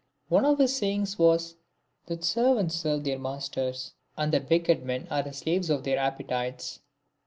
One of his sayings was, that servants serve their masters, and that wicked men are the slaves of their appetites.